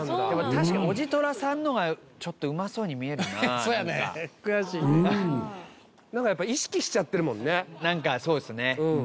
確かにおじとらさんのがちょっとうまそうに見えるなそやねん悔しいねん何かやっぱ意識しちゃってるもんね